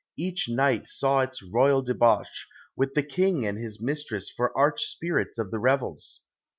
Each night saw its Royal debauch, with the King and his mistress for arch spirits of the revels.